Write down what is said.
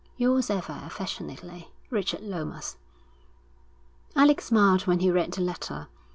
_ Yours ever affectionately, Richard Lomas. Alec smiled when he read the letter.